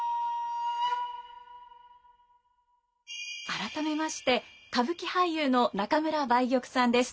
改めまして歌舞伎俳優の中村梅玉さんです。